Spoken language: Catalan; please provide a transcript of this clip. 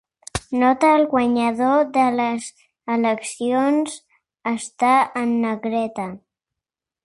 "Nota: el guanyador de les eleccions està en negreta."